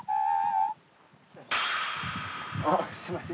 あっすみません。